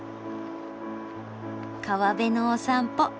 川辺のお散歩。